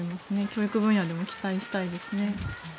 教育分野でも期待したいですね。